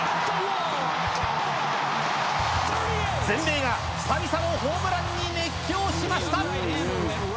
全米が久々のホームランに熱狂しました。